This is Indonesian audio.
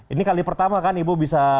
ini kali pertama kan ibu bisa